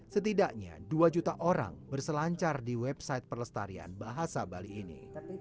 setidaknya dua juta orang berselancar di website pelestarian bahasa bali ini